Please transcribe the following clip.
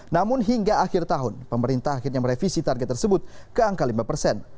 namun hingga akhir tahun pemerintah akhirnya merevisi target tersebut ke angka lima persen